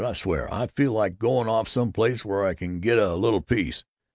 I swear, I feel like going off some place where I can get a little peace.